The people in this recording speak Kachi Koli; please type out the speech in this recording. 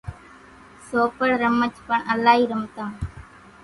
سوپڙِ رمچ پڻ الائِي رمتان۔